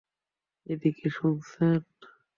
এদিকে, শুনছেন!